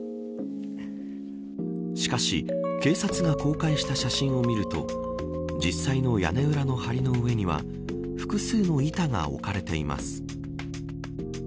しかし、警察が公開した写真を見ると実際の屋根裏のはりの上には複数の板が置かれています。